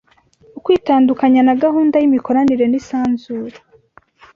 ukwitandukanya na gahunda y’imikoranire n’isanzure,